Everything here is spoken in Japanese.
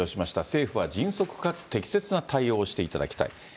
政府は迅速かつ適切な対応をしていただきたい。